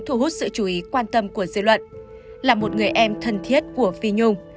thu hút sự chú ý quan tâm của dư luận là một người em thân thiết của phi nhung